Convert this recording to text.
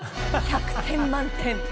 １００点満点。